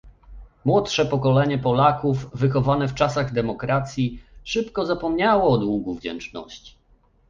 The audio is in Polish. Młodsze pokolenie Polaków, wychowane w czasach demokracji, szybko zapomniało o długu wdzięczności